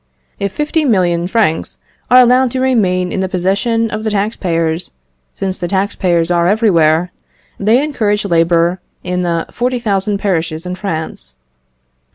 If 50,000,000 francs are allowed to remain in the possession of the tax payers since the tax payers are everywhere, they encourage labour in the 40,000 parishes in France.